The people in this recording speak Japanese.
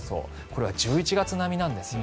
これは１１月並みです。